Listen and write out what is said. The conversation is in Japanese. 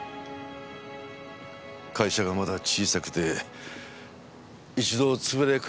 会社がまだ小さくて一度つぶれかかった時だ。